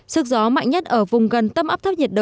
sức gió mạnh nhất ở vùng gần tâm áp thấp nhiệt đới